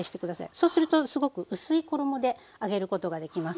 そうするとすごく薄い衣で揚げることができますので。